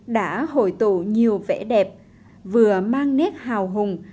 đã hội tụ nhiều vẻ đẹp vừa mang nét hào hùng